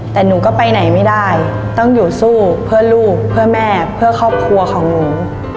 แต่หนูก็ไปไหนไม่ได้ต้องอยู่สู้เพื่อลูกเพื่อแม่เพื่อครอบครัวของหนู